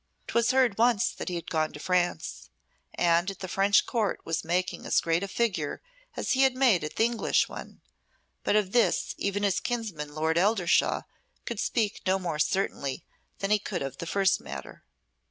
'Twas heard once that he had gone to France, and at the French Court was making as great a figure as he had made at the English one, but of this even his kinsman Lord Eldershawe could speak no more certainly than he could of the first matter.